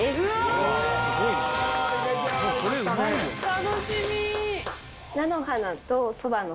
楽しみ。